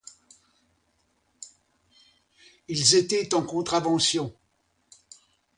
Ils étaient en contravention.